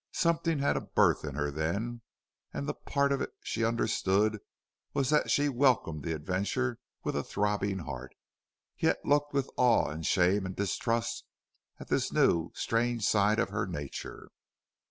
Something had a birth in her then, and the part of it she understood was that she welcomed the adventure with a throbbing heart, yet looked with awe and shame and distrust at this new, strange side of her nature.